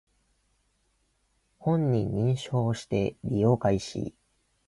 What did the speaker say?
本人認証をして利用開始